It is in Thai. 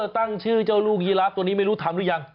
ตั้งชื่อเจ้าลูกยีราฟตัวนี้ไม่รู้ทำหรือยัง